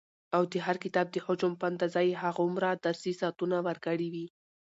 او د هر کتاب د حجم په اندازه يي هغومره درسي ساعتونه ورکړي وي،